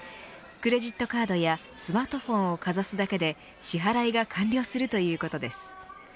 クレジットカードやスマートフォンをかざすだけで支払いが完了するということです。